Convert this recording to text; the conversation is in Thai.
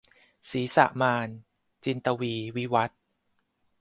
ศีรษะมาร - จินตวีร์ วิวัธน์